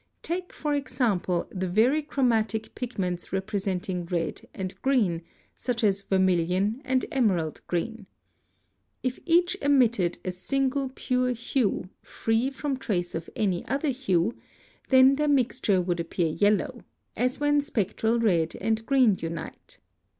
Take, for example, the very chromatic pigments representing red and green, such as vermilion and emerald green. If each emitted a single pure hue free from trace of any other hue, then their mixture would appear yellow, as when spectral red and green unite.